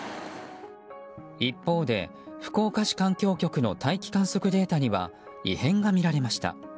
一方で、福岡市環境局の大気観測データには異変が見られました。